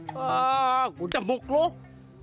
eh gua udah mokar